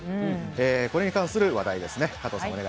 これに関する話題です。